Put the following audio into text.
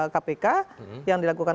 kpk yang dilakukan